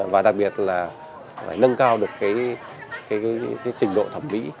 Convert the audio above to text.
và đặc biệt là phải nâng cao được cái trình độ thẩm mỹ